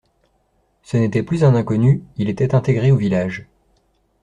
Ce n’était plus un inconnu, il était intégré au village.